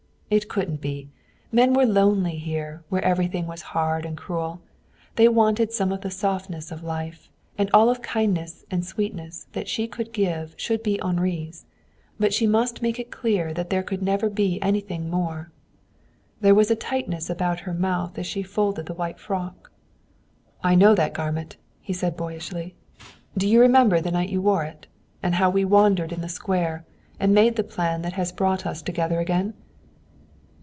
It couldn't be. Men were lonely here, where everything was hard and cruel. They wanted some of the softness of life, and all of kindness and sweetness that she could give should be Henri's. But she must make it clear that there could never be anything more. There was a tightness about her mouth as she folded the white frock. "I know that garment," he said boyishly. "Do you remember the night you wore it? And how we wandered in the square and made the plan that has brought us together again?"